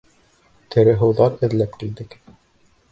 Тереһыуҙар эҙләп килдек.